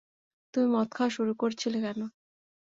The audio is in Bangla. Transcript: তুমি মদ খাওয়া শুরু করেছিলে কেন?